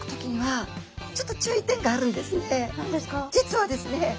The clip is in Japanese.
実はですね